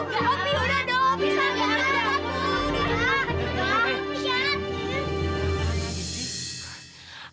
tidak aku siap